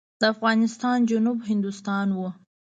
د افغانستان جنوب هندوستان و.